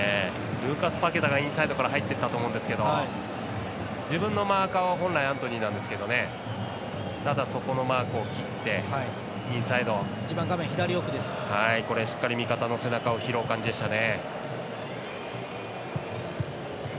ルーカス・パケタがインサイドから入ったと思いますけど自分のマーカーは本来アントニーなんですけどただ、そこのマークを切ってインサイドしっかり味方の背中を拾う感じでしたね。